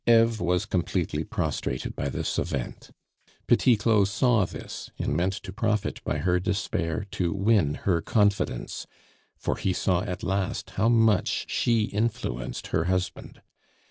Eve was completely prostrated by this event; Petit Claud saw this, and meant to profit by her despair to win her confidence, for he saw at last how much she influenced her husband.